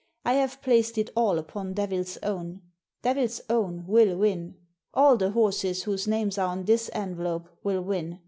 I have placed it all upon Devil's Own. Devil's Own will win. All the horses whose names are on this envelope will win.